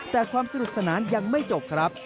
แต่ความสนุกสนานยังไม่จบครับ